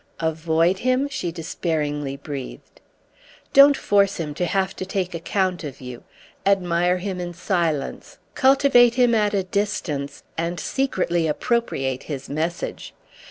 "Avoid him?" she despairingly breathed. "Don't force him to have to take account of you; admire him in silence, cultivate him at a distance and secretly appropriate his message.